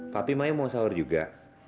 tapi maya mau sahur juga